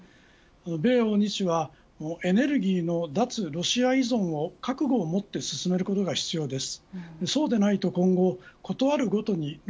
米欧日はエネルギーの脱ロシア依存を覚悟をもって進めることが必要です。